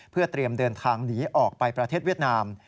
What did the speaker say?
เพื่อเตรียมเดินทางหนีออกไปประเทศเวียดนาม